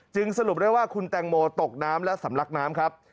สรุปได้ว่าคุณแตงโมตกน้ำและสำลักน้ำครับ